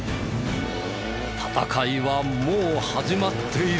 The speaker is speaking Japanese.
戦いはもう始まっている。